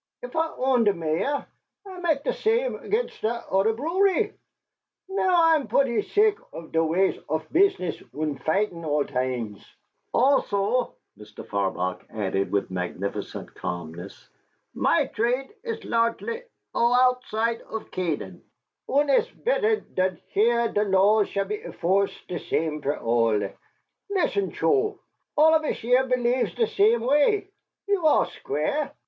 If I own der Mayor, I make der same against dot oder brewery. Now I am pooty sick off dot ways off bitsness und fighting all times. Also," Mr. Farbach added, with magnificent calmness, "my trade iss larchly owitside off Canaan, und it iss bedder dot here der laws shoult be enforced der same fer all. Litsen, Choe; all us here beliefs der same way. You are square.